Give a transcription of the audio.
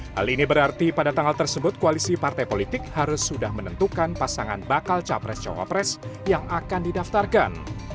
hal ini berarti pada tanggal tersebut koalisi partai politik harus sudah menentukan pasangan bakal capres cawapres yang akan didaftarkan